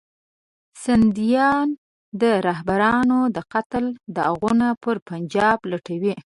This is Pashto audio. سندیان د رهبرانو د قتل داغونه پر پنجاب لټوي.